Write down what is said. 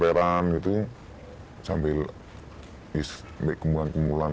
eh rieng aja beristirahat cukup norman bisa ig lolong